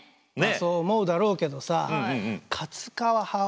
そう思うだろうけどさえ！